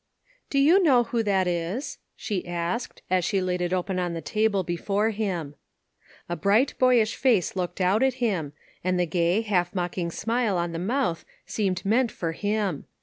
"Do you know who that is?" she asked, as she laid it open on the table before him. A bright, boyish face looked out at him, and the gay, half mocking smile on the mouth seemed meant for him.